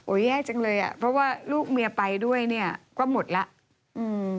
โอ๊ยแย่จังเลยเพราะว่าลูกเมียไปด้วยก็หมดแล้ว